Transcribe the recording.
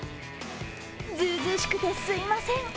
ずうずうしくてすいません。